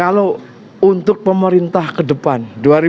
kalau untuk pemerintah kedepan dua ribu dua puluh empat